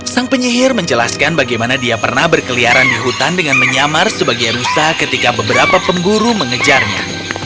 sang penyihir menjelaskan bagaimana dia pernah berkeliaran di hutan dengan menyamar sebagai rusa ketika beberapa pemburu mengejarnya